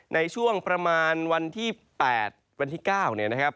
ในช่วงประมาณวันที่๘วันที่๙เนี่ยนะครับ